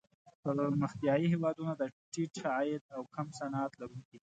پرمختیايي هېوادونه د ټیټ عاید او کم صنعت لرونکي دي.